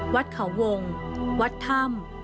วัดเขาวงวัดถ้ำ